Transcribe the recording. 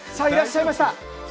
いらっしゃいました！